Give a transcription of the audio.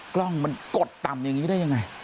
กล้องมันกดต่ำอย่างนี้ได้ยังไง